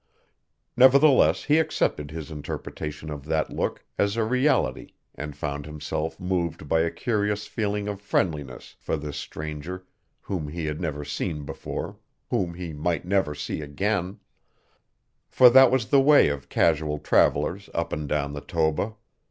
Nevertheless he accepted his interpretation of that look as a reality and found himself moved by a curious feeling of friendliness for this stranger whom he had never seen before, whom he might never see again, for that was the way of casual travelers up and down the Toba.